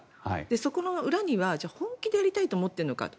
そこの裏には本気でやりたいと思っているのかと。